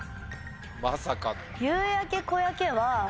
まさかの。